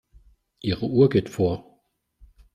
Ihre Uhr geht vor.